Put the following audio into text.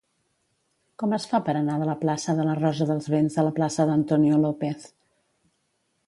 Com es fa per anar de la plaça de la Rosa dels Vents a la plaça d'Antonio López?